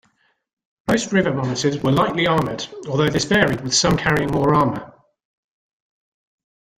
Most river monitors were lightly armored although this varied, with some carrying more armor.